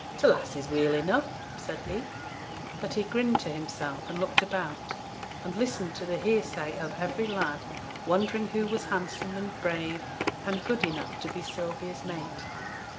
'T' lass is weel enough,' said he; but he grinned to himself, and looked about, and listened to the hearsay of every lad, wondering who was handsome, and brave, and good enough to be Sylvia's mate.